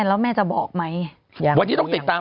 แล้วแม่จะบอกไหม